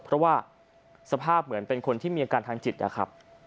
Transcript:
เพราะว่าสภาพเหมือนเป็นคนที่มีอาการทางจิตนะครับ